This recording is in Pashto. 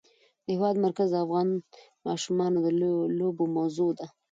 د هېواد مرکز د افغان ماشومانو د لوبو موضوع ده.